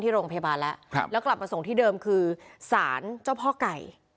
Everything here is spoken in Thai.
โรงพยาบาลแล้วแล้วกลับมาส่งที่เดิมคือสารเจ้าพ่อไก่